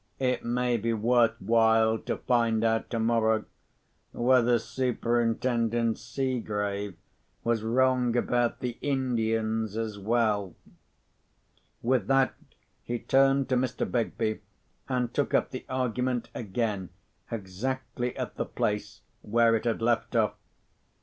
"It may be worth while to find out tomorrow whether Superintendent Seegrave was wrong about the Indians as well." With that he turned to Mr. Begbie, and took up the argument again exactly at the place where it had left off.